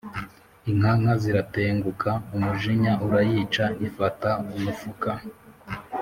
Inkanka ziratenguka umujinya urayica, ifata umufuka